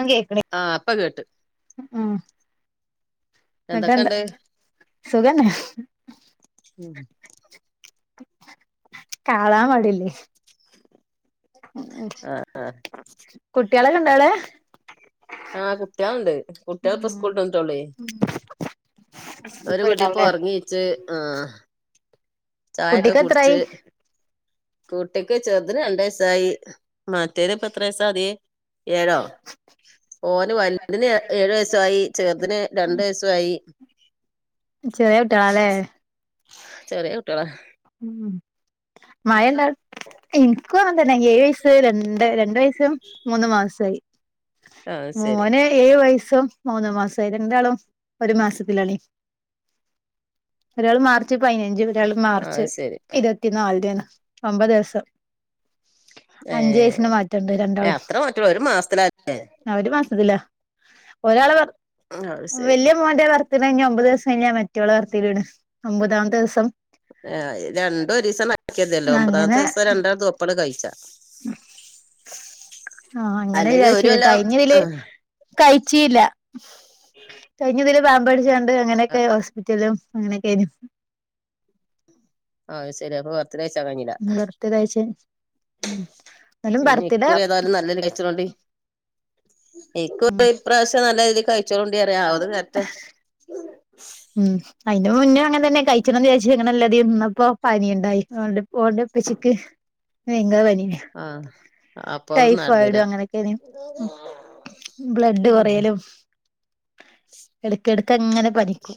അങ്കേക്ക്‌ണ് ആഹ് ഇപ്പ കേട്ട് ആഹ് എന്തൊക്കെണ്ട് ഉം കാളാ മാടില്ലേ ഉം കുട്ട്യേളൊക്കെ ണ്ടാവിടെ ആഹ് കുട്ട്യേളുണ്ട് കുട്ട്യേള് ഇപ്പ ഇണ്ടോ സ്കൂള്ട്ടെന്നിട്ടോള്ളേ ഒരു കുട്ടിപ്പോ അവിടെ ഉറങ്ങീച്ച് ആഹ് ചായൊക്കെ കുട്ടിക്ക് എത്രായി കുടിച്ച് കുട്ടിക്ക് ചെർതിന് രണ്ടയ്സായി മറ്റേത്പ്പ എത്ര വയസ ഏഴോ ഓന് വൽത് ന് ഏഴു വയസയി ചേർതിന് രണ്ടു വയസായി ചെറേട്ട്യളാലെ ചെറിയ കുട്ടിയോള ഉം മഴണ്ടട് എനിക്കും അങ്ങൻ തന്നെ ഏയയ്സ് രണ്ട് രണ്ടു വയസ്സും മൂന്ന് മാസോയി ആഹ് ശരി മോന് ഏഴ് വയസ്സും മൂന്ന് മാസയി രണ്ടാളും ഒരു മാസത്തിലാണെ ഒരാൾ മാർച്ച് പയിനഞ്ച് ഒരാൾ മ ച് ആഹ് ശരി ഇരുപത്തി നാൽടെ ആണ് ഒമ്പഹ് ദിവസം ഏഹ് അഞ്ചയ്സിന് മാറ്റണ്ട് ഏഹ് രണ്ടാളും അത്ര മാറ്റൊള്ളൂ ഒരു മാസത്തിലാല്ലേ അവര് മാസത്തില്ല ഒരാള് വർ അത് ശരി വല്യ മോന്റെ വർത്റേ കഴിഞ്ഞ ഒമ്പത് ദിവസം കയ്ഞ്ഞാ മറ്റോളെ വർത്റേ ആണ് ൽണ് ഒമ്പതാംത്തെസം ആയ രണ്ടോരീസം നട്ക്കതല്ലോ അങ്ങനെ ഒമ്പതാമത്തെസം രണ്ടാൾതോപ്പരം കഴിച്ചാ ആഹ് ങ്ങനെ അല്ലെങ്കി ഒരു ചാരിച്ചീഞ് കൊല്ലം കഴിഞ്ഞതില് ആഹ് കഴിച്ചീല്ല കഴിഞ്ഞതില് പാമ്പടിച്ചണ്ട് അങ്ങനെയൊക്കെ ഹോസ്പിറ്റലും അങ്ങനെക്കെ ആയിരുന്നു ആഹ് ശരി അപ്പൊ വർത്ത്ഡേയ്ചാകഞ്ഞില്ല ബർത്ത്ഡേ കഴിച്ച് എന്നാലും ബർത്ത്ഡേ ഞ്ഞിക്കുറി ഏതായാലും നല്ലനി കയ്ച്ചണ്ടി ഉം ഇക്കുറി ഇപ്രാവശ്യം നല്ല രീതിയിൽ കയ് ചോണ്ടറിയ അവറ് വറ്റ ഉം അയിന്റെ മുന്നേ അങ്ങനെ തന്നെ കഴിച്ചണംന്ന് വിചാച് അങ്ങനെല്ലതീന്നപ്പോ പനിണ്ടായി ളള പ്പച്ചിക്ക് വയ്ങ്കര പനി ആഹ് അപ്പൊ അത് നടന്നില്ല ടൈഫോയിഡ് അങ്ങനെക്കെന് ബ്ലഡ് കൊറയലും എടുക്കടുക്കങ്ങനെ പനിക്കും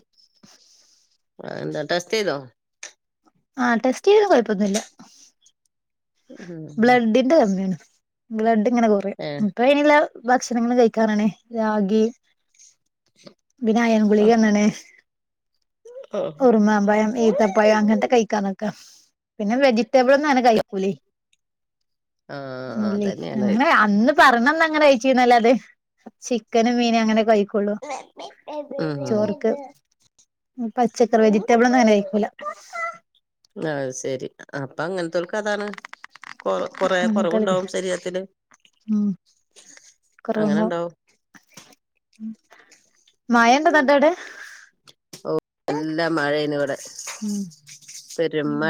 ആഹ് എന്താ ടെസ്റ്റ്യ്തോ ആഹ് ടെസ്റ്റ് ചെയ്ത് കുഴപ്പൊന്നുല്ല ബ്ലഡിന്റെ കമ്മിയാണ് ബ്ലഡ് ഇങ്ങനെ കുറിം ഏഹ് നിട്ട് അയ്നുള്ള ഭക്ഷണങ്ങൾ കഴിക്കാനാണ് രാഗി പിന്നാ അയൺ ഗുളിക എന്ന്ണ് ആഹ് ഉർമാൻ പയം ഇത്തപയം അങ്ങനത്തെ കഴിക്കാനൊക്കെ പിന്നെ വെജിറ്റബിൾ ഒന്നും അങ്ങനെ കഴിക്കൂലേ ഇല്ല അതന്നെയാണ് അങ്ങനെ അന്ന് പറഞ്ഞണന്ന് അങ്ങനെ കയ്ച്ചിന്നല്ലാതെ ചിക്കനും മീനും അങ്ങനെ കഴിക്കൊള്ളൂ ഉമ് ഉമ് പച്ചക്കറി വെജിറ്റബിൾ ന്നും അങ്ങനെ കഴിക്കൂല ആഹ് ശരി അപ്പൊ അങ്ങനത്തർക്ക് അതാണ് കൊറ കൊറ കുറവുണ്ടാവും ശരീരത്തില് ഉമ് എ [unintelligible] കൊറവണ്ടോ മായണ്ടന്നട്ടവിടെ ഓഹ് നല്ലാ മഴേനിവടെ ഉമ് ഉമ്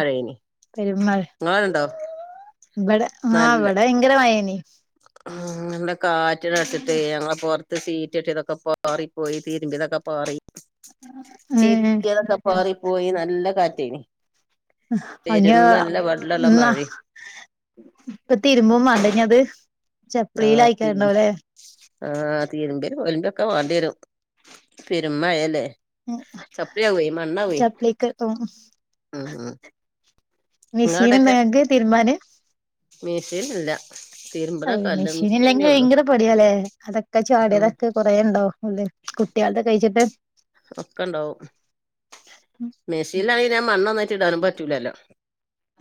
പെരുമയെ നിങ്ങാളടെ ഇണ്ടോ ഇവട ആഹ് ഇവട ഭയങ്കര മായെനി ഉമ് നല്ല കാറ്റിങ്ങട്ടടിച്ചിട്ടെ ഞങ്ങള പൊർ സീറ്റിട്ട് ഇതൊക്കെ പാറിപ്പോയി തീരുമ്പി ഇട്ടതൊക്കെ പാറി ഏഹ് ചിക്കിതൊക്കെ പാറി പോയി നല്ല കാറ്റേനി അഞ്ഞ പെരും നല്ല വെള്ളള്ള ന്നാ മഴയും ഇപ്പ തിരുമ്പോ വേണ്ട ഞ്ഞത് ആഹ് ത്തിന് ആഹ് തീരുമ്പേ ഒലമ്പ ഒക്കെ വേണ്ടി വരും പെരുമ്മയല്ലേ ചപ്പി യാവേ മണ്ണ് ആവേ ചപ്ലിക്ക് ഉമ് മിശീൻ ങ്ങക്ക് തീരുബാൻ മിഷീൻ ഇല്ല തിരുമ്പണ അഹ് കല്ല് മെഷീനന്നെ മെഷീൻല്ലെങ്കിൽ ഉള്ളു ഭയങ്കര പണിയല്ലെ അതൊക്കെ ഉം ചാടിയതൊക്കെ കുറേണ്ടോ ഉള്ള് കുട്ട്യാൾ തെ കഴിച്ചിട്ട് ഒക്കെ ഇണ്ടാവും മെസ്സീലാണെൽ മണൊന്നായിട്ട് ഇടാനും പറ്റൂലല്ലോ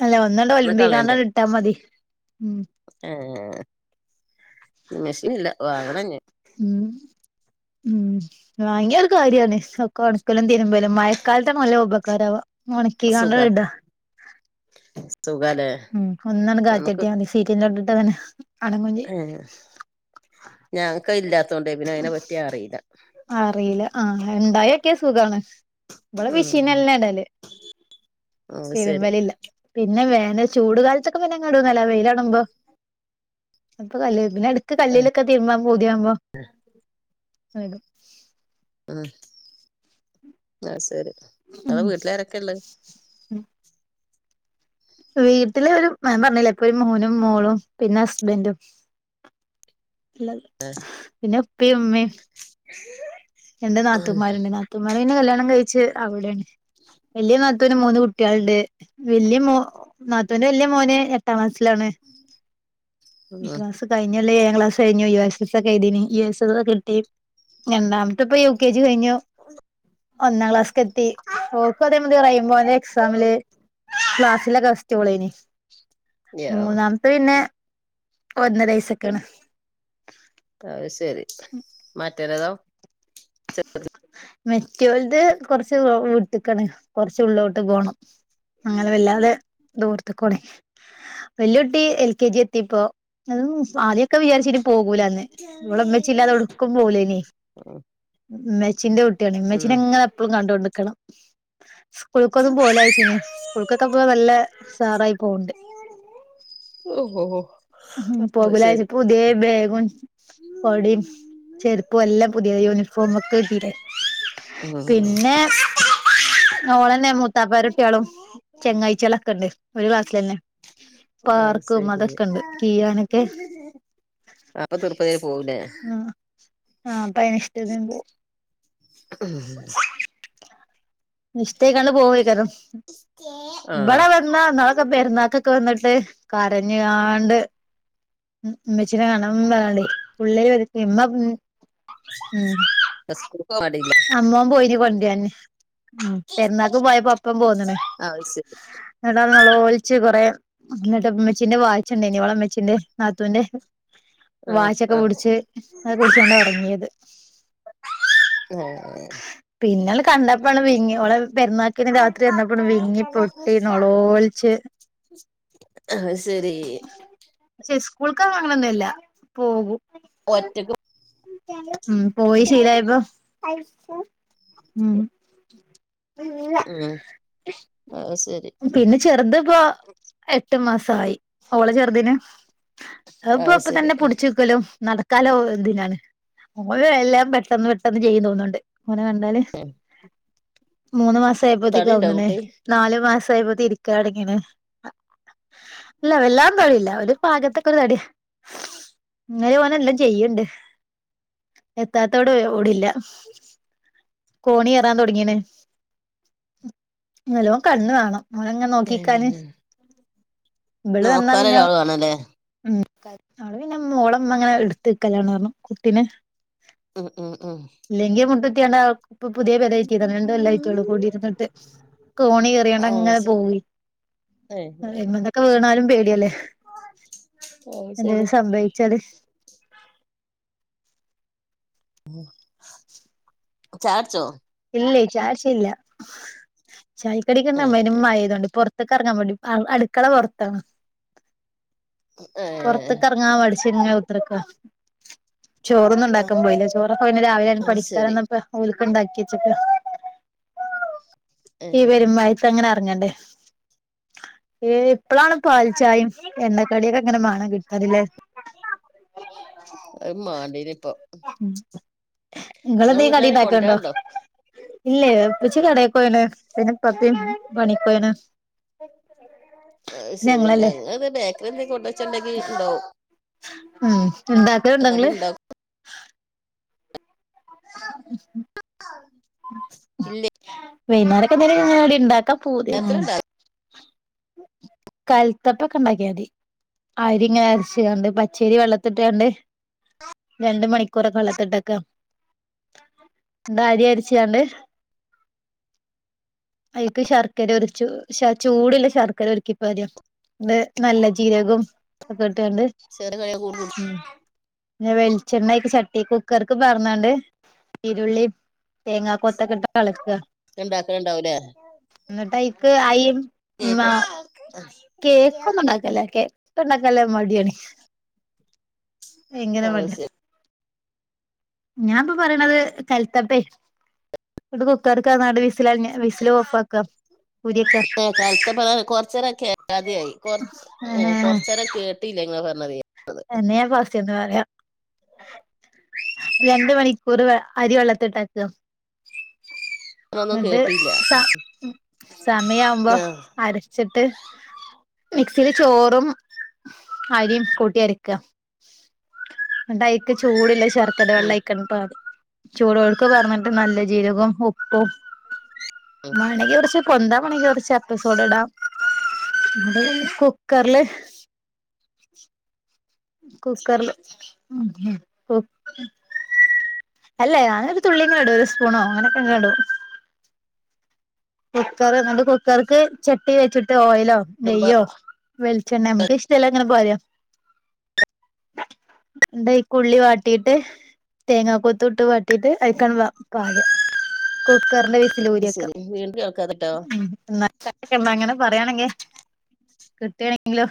അല്ല ഒന്നണ്ട് ഒന്ന് ഒലിമ്പി കാണ്ട് ഇട്ടാ മതി ഉമ് ആഹ് മെഷീൻ ഇല്ല വാങ്ങണെ ഞ്ഞി ഉമ് ഉമ് വാങ്ങിയ ഒരു കാര്യാണ് സൊ ക്കാ ക്കലും തിരുമ്പലും മഴക്കാലത്തന്ന നല്ല ഉപകാരാവ സുഖ ഒണക്കിക്കാണ്ടണ്ട് ഇടാ സുഖാലേ ഉമ് ഒന്നാണ് കാറ്റ്ട്ടിയ മതി സീറ്റിന്റെ തൊട്ടിട്ട തന്നെ ഉമ് ഞങ്ങക്ക് ഇല്ലാത്തോണ്ടേ പിന്നെ അതിനെ പറ്റി അറിയില്ല അറിയില്ല ആഹ് ഇണ്ടായി ഒക്കിയ സുഖാണ് ഇവിടെ ഉം മിഷീന എല്ലാം ഇടല് അത് ശരി തിരുമ്പൽ ഇല്ല പിന്നെ വേന ചൂട് കാലത്തൊക്കെ പിന്നെങ്ങാടൂന്നല്ല വെയിലാണുമ്പോ അപ്പൊ കല്ല് പിന്നെ എടുക്ക് കല്ലിലൊക്കെ തിരുമ്പ പോതിയാവുമ്പോ ഉമ് ആഹ് ശരി ഉം ഇങ്ങളെ വീട്ടിലാരൊക്കെയ ഉള്ളത് വീട്ടില ഒരു പറഞ്ഞലേ ഇപ്പൊ ഒരു മോനും മോളും പിന്നെ ഹസ്ബന്റും പിന്നെ ഉപ്പേ ഉമ്മയും ഇ രണ്ട് നാത്ത്മാരുണ്ട് നാത്തമാർ കല്യാണം കഴിച്ച് അവിടെയാണ് വല്ല്യ നാ നത്തൂന് മൂന്ന് കുട്ട്യാളുണ്ട് വല്ല്യ മ നാത്തൂന്റെ വല്ല്യ മോന് എട്ടാം ക്ലാസ്സിലാണ് ഉം ക്ലാസ് കഴിഞ്ഞ കൊല്ലം ഏഴാം ക്ലാസ് കഴിഞ്ഞു യു എസ് എസ് ഒക്കെ എഴുതീനി യു എസ് എസ് ഒക്കെ കിട്ടി എന്താ ഇത്പ്പൊ യു കെ ജി കഴിഞ്ഞു ഒന്നാം ക്ലാസ്ക് എത്തി ഓക്കും അതേ മതി റെയിൻ ബോന്റെ എക്സാമില് ക്ലാസ്ല്ലെ ഗസ്റ്റോളേനി [unintelligible] മൂന്നാമത്തെ പിന്നെ ഒന്നര വയസൊക്കെയാണ് പ്പതു ശരി മറ്റെരെതോ മറ്റോൽത് കൊറച്ചു വിട്ട്ക്ക്ണ്‌ കൊറച്ചുള്ളോട്ട് പോണം അങ്ങനെ വല്ലാതെ ദൂർത്ത്ക്കോണി വല്യുട്ടി എൽ കെ ജി എത്തീപ്പോ അതും ആദ്യോക്കെ വിചാരിച്ചിനി പോകൂല്ലാന്ന് ഇവളമ്മച്ചി ഇല്ലാതെ എവ്‌ടുക്കും പോകൂല്ലനി ഇമ്മച്ചീന്റെ കുട്ടിയാണ് ഉം ഇമ്മച്ചീനെ ഇങ്ങനെ എപ്പളും കണ്ടോണ്ടിക്കണം സ്കൂൾക്കൊന്നും പോവൂലായിച്ചിനി സ്കൂൾക്കൊക്കെ പോ നല്ല ഉഷാറായി പോവ്ണ്ട് ഓഹ് ഹോഹോ പോകലായിച്ചു പുതിയ ബേഗ് കൊടേം ചെരുപ്പും എല്ലാം പുതിയ യൂണിഫോമൊക്കെ കിട്ടീല്ലേ പിന്നെ ആഹ് ഓളന്നെ മൂത്താപ്പാരൊട്ടികളും ചെങ്ങായിച്ചികളൊക്കെണ്ട് ഒരു ക്ലാസ്സിലന്നേ അത് പാർക്കും ശരി അതൊക്കെണ്ട് കീയാനൊക്കെ അപ്പം തൃപ്പതി ആയി പോവൂലെ ആഹ് അപ്പയ്ന് ഇഷ്ട്ടത്തിന് പോവും ഉം ഇഷ്ട്ടായിക്കാണ്ട് പോവയ്ക്കാരം ആഹ് ഇബടെ ന്നോ ഇന്നാളൊക്കെ പെരുന്നാക്കൊക്കെ വന്നിട്ട് കരഞ്ങ്ങാണ്ട്‌ ഉം ഇമ്മച്ചീനെ കാണണം പറഞ്ഞാണ്ടേയ് ഉള്ളേ ഇറുക്കെ ഇമ്മ ഉം ഉം ഇപ്പം സ്‌കൂൾക്ക് പോകാൻ മടില്ല അമ്മോൻ പോയിരി കൊണ്ടരാന് ഉം പെരുന്നാക്ക് പോയപ്പം ഒപ്പം പോന്നണ് അത് ശരി എന്നിട്ട് അവിടുന്ന് നൊലോൾച്ച് കൊറേ എന്നിട്ട് ഇമ്മച്ചിന്റെ വാച്ച് ഇണ്ടെയിനിം ഓളെ ഇമ്മച്ചിന്റെ നാത്തൂന്റെ ആഹ് വാച്ചൊക്കെ പിടിച്ച് അഹൊക്കെ പിടിച്ചാണ്ടാ ഒറങ്ങിയത് ഏഹ് പിന്നോളെ കണ്ടപ്പളാണ് വിങ്ങി ഓളെ പെരുന്നാക്കിന് രാത്രി അപ്പ വന്നപ്പള് വിങ്ങി പൊട്ടി അപ്പക്കഷ്യ നൊളോളിച്ച് [unintelligible] അഹ് ശരി പക്ഷെ സ്കൂൾക്കങ്ങനൊന്നും അല്ല പോകും ഒറ്റക്ക് ഉം പോയി ശീലായപ്പം ഉം ഉം അത് ശരി പിന്നെ ചെറുതിപ്പോ എട്ട് മാസായി ഓളെ ചെറുതിന് അഹ് ഇപ്പം അത് ഇപ്പ ശരി തന്നെ പുടിച്ചു ക്കലും നടക്കാലോ എന്തിനാണ് ഓന് എല്ലാം പെട്ടെന്ന് പെട്ടെന്ന് ചെയ്യുന്ന് തോന്നൂണ്ട് ഓനെ കണ്ടാല് മൂന്ന് മാസം ആയപ്പോത്തേക്ക് തടിണ്ടോ കവുന്ന്ണ് കുട്ടി നാല് മാസായപ്പോത്തി രിക്കൽ തൊടങ്ങീണ് ഇല്ല വല്ലാം തടീല്ല ഒരു പാകത്തെക്കെ ഒരു തടി ഇങ്ങാലേ ഓൻ എല്ലാം ചെയ്യ്ണ്ട് എത്താത്തോടെ ഓടില്ല കോണി കേറാൻ തൊടങ്ങീണ് നല്ലോം കണ്ണ് വേണം ഓനെങ്ങനെ നോക്കിക്കാന് ഇബള് വന്നാ നോക്കാൻ പിന്നെ ഒരാള് വേണല്ലേ ഉം അവളെ പിന്നെ ഓളെ മ്മങ്ങനെ എടുത്ത്ക്കലാണ് പറഞ്ഞു കുട്ടിനെ ഉം ഉം ഉം ഇല്ലെങ്കിൽ മുട്ടത്തിയാണ്ട് ഇപ്പ പുതിയ പെര കേറ്റിയതാണ് രണ്ട് കൊല്ലം ആയിട്ടൊള്ളൂ കുടി ഇരുന്നിട്ട് കോണി ആ കേറിയണ്ടങ്ങനെ ശ- പോയി ഏ എങ്ങൂന്നൊക്കെ വീണാലും പേടിയല്ലേ ഓഹ് ശരി സംഭവിച്ചാലെ ചായട്ച്ചോ ഇല്ലേ ചായകുടിച്ചില്ല. ഏ ചായക്കടിക്കെന്നും പെരും മഴ പെയ്ടോണ്ട് പുറത്ത് പുറത്തൊക്കെറങ്ങാൻ മടി അ ടുക്കളപുറത്താണ് ഏ പുറത്തക്കെറങ്ങാൻ മടിച്ച്ങ്ങനെ കുത്തർക്കാ ചോറൊന്നുണ്ടാക്ക [unintelligible] ചോറൊക്കെ പിന്നെ രാവിലെയാണ് അത് ശരി പഠിക്കാനിരുന്നപ്പോം ഓൾക്കുണ്ടാക്കി ഏ ഈ പെരും മഴത്ത് അങ്ങനെ എറങ്ങേണ്ട ഏ.. ഇപ്പളാണുപാൽച്ചായയും, എണ്ണക്കടിയൊക്കെയിങ്ങനെ മണം കിട്ടാറില്ലേ [unintelligible] മാണ്ടീനെയിപ്പൊ ഉം [unintelligible] നിങ്ങള വീട്ടിലെരാങ്കിലും കൊണ്ടറാനു ണ്ടോ ഇല്ലേ.. അപ്പച്ചി കടേപ്പോയീന്ന് പിന്നെപപ്പയും പണിക്കു പോയീന്ന് [inaudible] ആഹ്, ശരി ഞങ്ങളല്ലേ ഞങ്ങളിന്നു ബേക്കറീന്നുകൊണ്ടു വെച്ചിട്ടുണ്ടെങ്കി ലുണ്ടാവും ആഹ്.. ഉണ്ടാകും അത് കടിയുണ്ടാ [inaudible] ഇല്ലേ വൈകുന്നേരൊക്കെ നേരം ഉണ്ടാക്കാൻ പൂതിയും രാത്രിണ്ടാവും കലത്തപ്പമൊക്കെയുണ്ടാക്കിയാമതി. അരിയിങ്ങനെ അരച്ചച്ചോണ്ടു പച്ചരി വെള്ളത്തിലിട്ടോണ്ട് രണ്ടു മണിക്കൂറൊക്കെ വെള്ളത്തിലിട്ടേക്കാ ന്നാ അരിയരച്ചോണ്ട് അയീക്കു ശർക്കരഒഴിച്ചു. ശ.. ചൂടുള്ള ശർക്കരഒഴിക്കാ വരും. ഇത് നല്ലജീരകും ഒക്കെയിട്ടോണ്ട് ചെറിയ കടി കൂടും ഉം.. പിന്നെ, വെളിച്ചെണ്ണയൊക്കെ ചട്ടി, കുക്കർക്കുപകർന്നോണ്ട് ച്ചിരുളി തേങ്ങകൊത്തൊക്കെയിട്ടിട്ടുഅളക്ക ഉണ്ടാക്കലുണ്ടാവൂലേ എന്നിട്ടതിലേക്കു അയി കേക്ക് [unintelligible] [unintelligible] കേക്കൊന്നുമുണ്ടാക്കില്ല, കേക്കൊക്കെയുണ്ടാക്കാൻ മടിയാണ്. ഭയങ്കര അത് മടി ശരി ഞാൻനിപ്പോ പറയണത് കലത്തപ്പേ, ഇതു കുക്കർക്കു നാലു വിസിലുകഴിഞ്ഞാ വിസിലോഫാക്കാം ഊരി വെക്ക കലത്തപ്പം കൊറച്ചുനേരമൊക്കെ കേക്കാതെയായി, കൊറച്ച്, ഉം.. കുറച്ചുനേരം കേ കെട്ടിയില്ലെ ഇങ്ങൾ പറഞ്ഞതേ എന്നഞാ ഫസ്റ്റീന്ന് ന്നു പറയാ രണ്ടുമണിക്കൂറ് അരിവെള്ളത്തിലിട്ടേക്കും ഞാനൊന്നും ന്നിട്ടു, കേട്ടില്ല സ... സമയമാകുമ്പോ ആ അരച്ചിട്ട് മിക്സിൽ ചോറും അരിയും കൂട്ടിയരക്കുക ന്നിട്ട് ചൂടുല്ല ശർക്കര വെള്ളം ഉം ആയിക്ന് പാര ചോടോടക്കെ പറഞ്ഞിട്ടു നല്ല ജീരകവും, ഉപ്പും ഉം മാണെങ്കി കുറച്ച് പൊന്തൻ മണങ്കി കുറച്ചു അപ്പസോഡായിടാം. അതുപിന്നെ കുക്കറില് കുക്കറില്, ഉം.. ഉം.. ഉം [unintelligible] അല്ലേ, അങ്ങനെയൊരു തുള്ളിയെങ്ങാണ്ടോ ഒരു സ്പൂണോ അങ്ങനെയൊക്കെയെങ്ങാണ്ടോ കുക്കർഎന്നിട്ട് കുക്കർക്ക് ചട്ടിവെച്ചിട്ടോയിലോ കുടുംബ നെയ്യോ വെളിച്ചെണ്ണയിൽ മുക്കി ഇഷ്ടമില്ലായിങ്ങനെ പോയാ എന്തായീകുള്ളിവാട്ടീട്ട് തേങ്ങാകൊത്തുമിട്ട് വാട്ടിയിട്ട് അരിക്കാനുള്ള പാല് കുക്കറിന്റെ ശരി വീണ്ടുംകേൾക്കാതെ കേട്ടോ ഉഹ് ന്ന ന്നങ്ങനെ പറയാണെങ്കിൽ കിട്ടാണെങ്കിലോ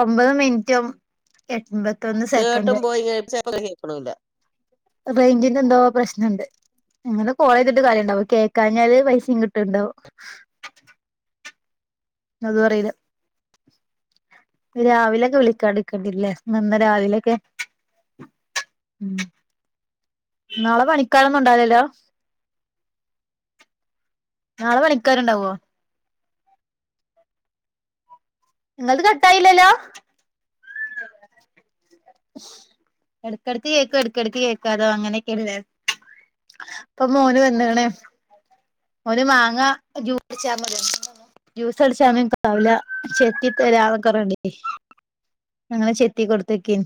ഒമ്പത് മിൻറ്റും എൺബത്തൊന്ന് സെക്കൻഡും ആയി വയ്യാ ചെൽപ്പ കേക്കുണുല്ല റൈഞ്ചിന്റെ എന്തോ പ്രശ്നണ്ട് ങ്ങനെ കോളേ യ്തിട്ട് കാര്യണ്ടാ വോ കേക്കാഞ്ഞാല് പയ്സയും കിട്ട്ണ്ടാവും അതുറീല രാവിലെക്കെ വിളിക്കാണ്ട്ക്കെണ്ടിരും ല്ലേ ഇന്ന് രാവിലക്കെ ഉം നാളെ പണിക്കാരൊന്നും ഉണ്ടാവലല്ലോ നാളെ പണിക്കാര്ണ്ടാവോ ങ്ങൾത് കട്ടായില്ലല്ലോ എട്ക്കെട്ക്ക് കേക്കും എട്ക്കെട്ക്കും കേക്കാതാവും അങ്ങനെക്കേണ്ല്ലേ പ്പം മോന് വന്ന്ണ് ഓൻമാങ്ങ ജ്യൂട്ച്ചാ ജ്യൂസടിച്ചാനും ഇൻക്കാവൂല ചെത്തി തരാക്കെ പർഞാണ്ടേ അങ്ങനെ ചെത്തി കൊട്ത്തക്കെനീ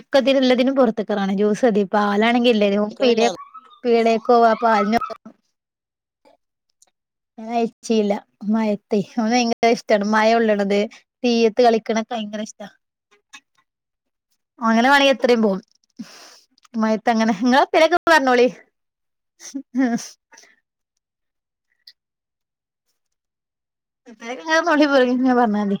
ഒക്കതിൽള്ളതിനും പൊർത്ത്ക്കറങ്ങണെ ജ്യൂസതി പാലാണെങ്കിൽ ഇല്ലേനു പീടേ കേൾക്കണില്ല പീടേക്കോവാ പാൽന് പൊ ഞാനയച്ചിയില്ല മഴത്തെ ഓൻ വയങ്കര ഇഷ്ടാണ് മഴഒള്ള്ണത് തീയത്ത് കളിക്കണെ വയങ്കര ഇഷ്ട ഓങ്ങനെ വാണങ്കിൽ എത്രം പോവും മഴത്ത് അങ്ങനെ ഇങ്ങളത്തേലൊക്കെ പറഞ്ഞോളി [unintelligible] ആഹ് അങ്ങനൊക്കെ നുള്ളി പൊർക്കി ഇങ്ങനെ പറഞ്ഞാ മതി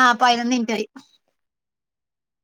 ആഹ് പയിനൊന്നിൻറ്റായി